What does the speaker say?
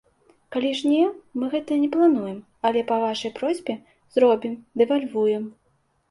Калі ж не, мы гэта не плануем, але па вашай просьбе зробім, дэвальвуем.